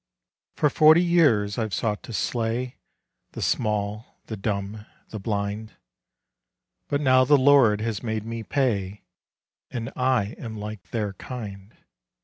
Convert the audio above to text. For forty years I've sought to slay The small, the dumb, the blind, But now the Lord has made me pay, And I am like their kind.